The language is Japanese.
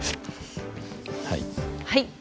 はい。